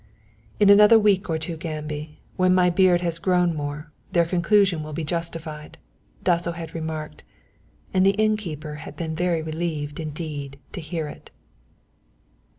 "In another week or two, Gambi, when my beard has grown more, their conclusion will be justified," Dasso had remarked, and the innkeeper had been very relieved indeed to hear it.